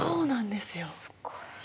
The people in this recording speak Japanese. すごい。